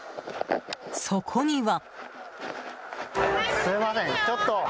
そこには。